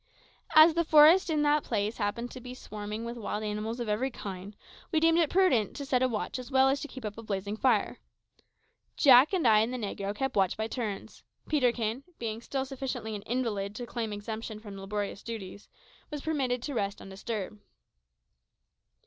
As the forest in that place happened to be swarming with wild animals of every kind, we deemed it prudent to set a watch as well as to keep up a blazing fire. Jack and I and the negro kept watch by turns; Peterkin, being still sufficiently an invalid to claim exemption from laborious duties, was permitted to rest undisturbed.